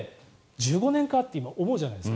１５年かって今、思うじゃないですか。